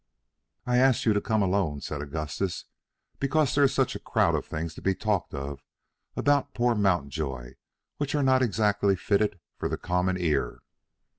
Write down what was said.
"I've asked you to come alone," said Augustus, "because there is such a crowd of things to be talked of about poor Mountjoy which are not exactly fitted for the common ear."